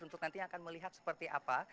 untuk nantinya akan melihat seperti apa